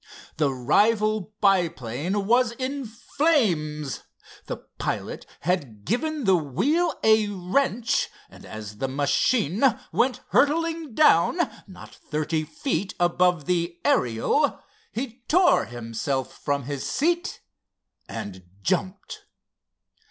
The rival biplane was in flames. The pilot had given the wheel a wrench, and as the machine went hurtling down, not thirty feet above the Ariel, he tore himself from his seat and jumped.